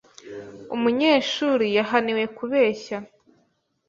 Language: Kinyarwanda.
Umunyeshuri yahaniwe kubeshya.